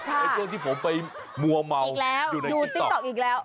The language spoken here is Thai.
ตัวที่ผมไปมัวเมาอยู่ในติ๊กต๊อกอีกแล้ว